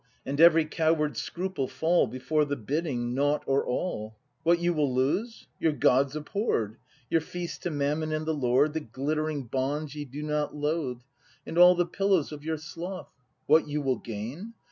And every coward scruple fall Before the bidding: Nought or All! What you will lose ? Your gods abhorr'd, Your feasts to Mammon and the Lord, The glittering bonds ye do not loathe. And all the pillows of your sloth! What you will gain